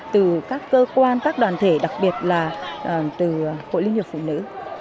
từ các cơ quan các đoàn thể đặc biệt là từ hội liên hiệp phụ nữ